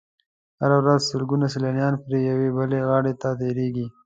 هره ورځ سلګونه سیلانیان پرې یوې بلې غاړې ته تېرېږي.